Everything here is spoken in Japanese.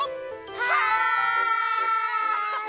はい！